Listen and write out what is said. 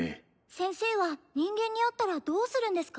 先生は人間に会ったらどうするんですか？